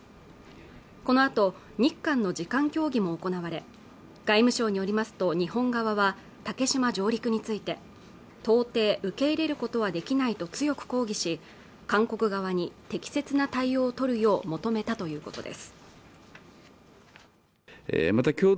このあと日韓の次官協議も行われ外務省によりますと日本側は竹島上陸について到底受け入れることはできないと強く抗議し韓国側に適切な対応を取るよう求めたということです